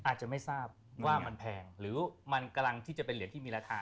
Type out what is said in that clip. อาจจะไม่ทราบว่ามันแพงหรือมันกำลังที่จะเป็นเหรียญที่มีราคา